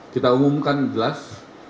kita umumkan jelas